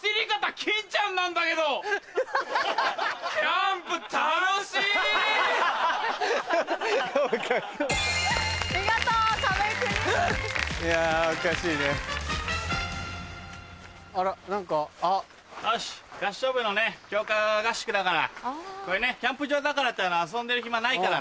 キャンプ場だからって遊んでる暇ないからね。